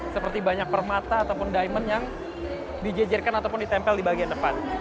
seperti banyak permata ataupun diamond yang dijejerkan ataupun ditempel di bagian depan